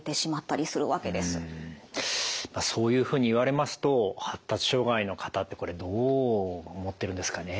まあそういうふうに言われますと発達障害の方ってこれどう思ってるんですかね。